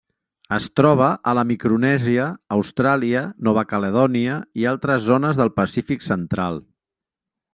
Es troba a la Micronèsia, Austràlia, Nova Caledònia i altres zones del Pacífic central.